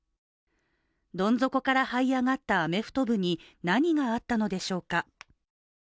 どん底からはい上がったアメフト部に何があったのでしょうか。